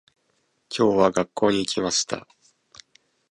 今日は、学校に行きました。